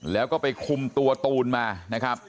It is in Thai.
แล้วก็ไปคุมตัวตูนมานะครับ